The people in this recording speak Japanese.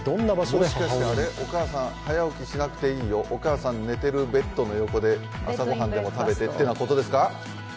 もしかしてお母さん、早起きしなくていいよ、お母さん寝てるベッドの横で朝ごはんでも食べてってなことですか。